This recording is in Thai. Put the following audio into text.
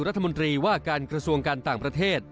รัฐมนตรีว่าการกระทรวงการต่างประเทศ